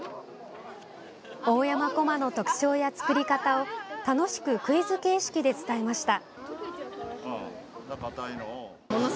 大山こまの特徴や作り方を楽しくクイズ形式で伝えました。